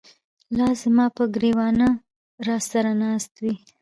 لاس زماپه ګر ېوانه راسره ناست وې